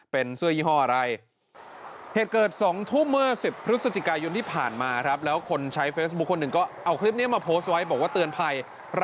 เป็นเสื้อยี่ห้ออะไร